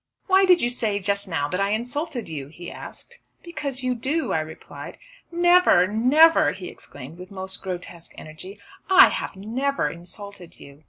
"Why did you say just now that I insulted you?" he asked. "Because you do," I replied. "Never, never!" he exclaimed, with most grotesque energy. "I have never insulted you."